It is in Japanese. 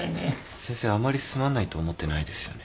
先生あまりすまないと思ってないですよね。